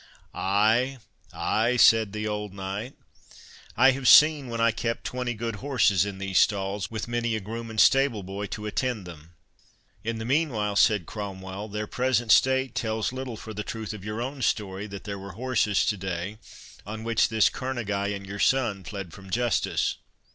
"Ay, ay," said the old knight, "I have seen when I kept twenty good horses in these stalls, with many a groom and stable boy to attend them." "In the meanwhile," said Cromwell, "their present state tells little for the truth of your own story, that there were horses to day, on which this Kerneguy and your son fled from justice."